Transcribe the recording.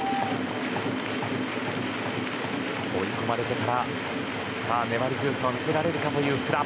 追い込まれてから粘り強さを見せられるか、福田。